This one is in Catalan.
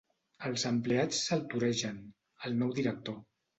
Els empleats se'l toregen, el nou director.